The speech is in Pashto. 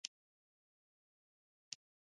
کېله د اعصابو نظام پیاوړی کوي.